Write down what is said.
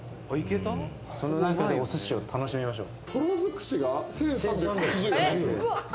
その中でおすしを楽しみましょう。